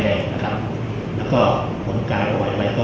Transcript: เป็นถึง